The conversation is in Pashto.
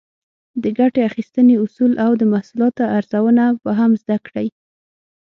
د ګټې اخیستنې اصول او د محصولاتو ارزونه به هم زده کړئ.